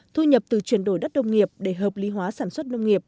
thu nhập từ chuyển đổi đất đông nghiệp để hợp lý hóa sản xuất nông nghiệp